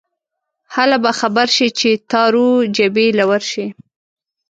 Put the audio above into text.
هله به خبر شې چې تارو جبې له ورشې